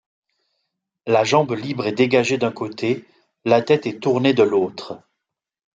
La jambe libre est dégagée d'un côté, la tête est tournée de l'autre.